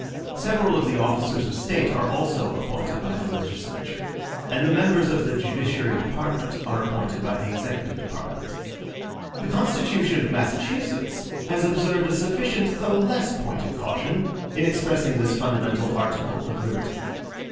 Several of the officers of state are also appointed by the legislature. And the members of the judiciary department are appointed by the executive department. The constitution of Massachusetts has observed a sufficient though less pointed caution, in expressing this fundamental article of liberty.